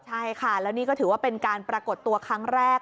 ใช่ค่ะแล้วนี่ก็ถือว่าเป็นการปรากฏตัวครั้งแรก